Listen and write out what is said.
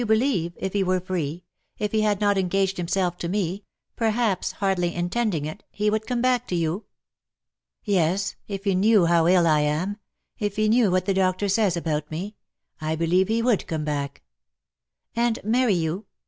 believe — if he were free — if he had not engaged himself to me — perhaps hardly intending it — he would come back to you?" " Yes^ if he knew how ill I am — if he knew what the doctor says about me — I believe he would come back." " And marry you